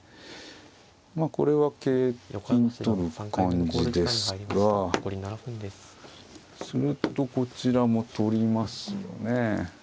まあこれは桂金取る感じですがするとこちらも取りますよね。